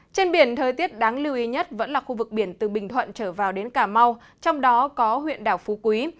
trên biển thời tiết đáng lưu ý nhất vẫn là khu vực biển từ bình thuận trở vào đến cà mau trong đó có huyện đảo phú quý